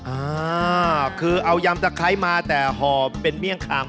อ่าคือเอายำตะไคร้มาแต่ห่อเป็นเมี่ยงคำ